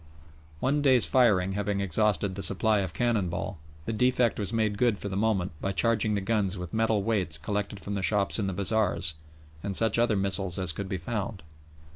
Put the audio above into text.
One day's firing having exhausted the supply of cannon ball, the defect was made good for the moment by charging the guns with metal weights collected from the shops in the bazaars, and such other missiles as could be found.